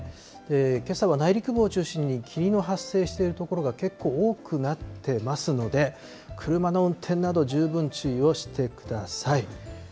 けさは内陸部を中心に霧の発生している所が結構多くなってますので、車の運転など、十分注意をしてください。